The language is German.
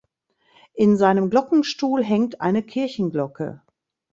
In seinem Glockenstuhl hängt eine Kirchenglocke.